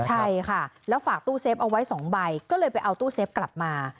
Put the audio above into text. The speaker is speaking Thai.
ใช่ค่ะแล้วฝากตู้เซฟเอาไว้๒ใบก็เลยไปเอาตู้เซฟกลับมา